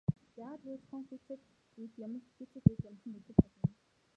Яагаад гэвэл зөвхөн физик эд юмс физик эд юмсад нөлөөлж чадна.